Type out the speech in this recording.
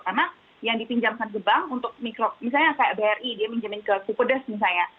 karena yang dipinjamkan ke bank untuk mikro misalnya kayak bri dia pinjamin ke cupedes misalnya